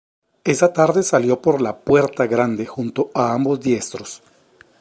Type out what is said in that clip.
Esa tarde salió por la puerta grande junto a ambos diestros.